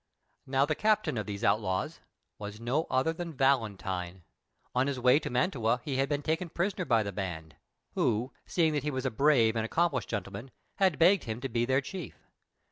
Now, the captain of these outlaws was no other than Valentine. On his way to Mantua he had been taken prisoner by the band, who, seeing that he was a brave and accomplished gentleman, had begged him to be their chief.